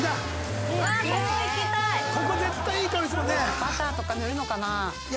バターとか塗るのかな？